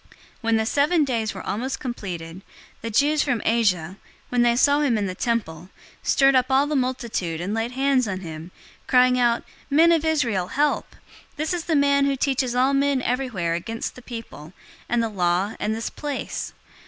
021:027 When the seven days were almost completed, the Jews from Asia, when they saw him in the temple, stirred up all the multitude and laid hands on him, 021:028 crying out, "Men of Israel, help! This is the man who teaches all men everywhere against the people, and the law, and this place.